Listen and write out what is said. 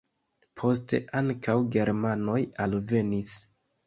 Poste ankaŭ germanoj alvenis.